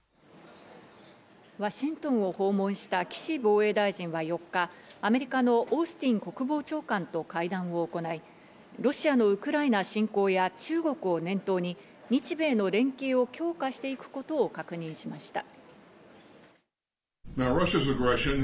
ワシントンを訪問した岸防衛大臣は４日、アメリカのオースティン国防長官と会談を行い、ロシアのウクライナ侵攻や中国を念頭に日米の連携を強化していくことを確認しました。